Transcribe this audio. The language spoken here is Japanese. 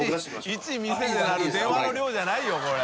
イチ店で鳴る電話の量じゃないよこれ。